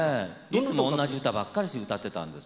いつも同じ歌ばっかし歌ってたんです。